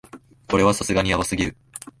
これはさすがにヤバすぎる